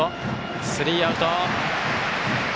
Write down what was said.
スリーアウト。